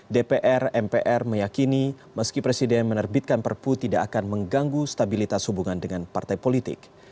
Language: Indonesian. dpr mpr meyakini meski presiden menerbitkan perpu tidak akan mengganggu stabilitas hubungan dengan partai politik